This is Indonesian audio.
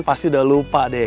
pasti udah lupa deh